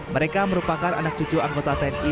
mereka merupakan anak cucu anggota tni